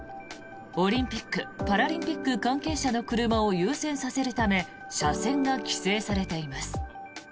オリンピック・パラリンピック関係者の車を優先させるため車線が規制されています。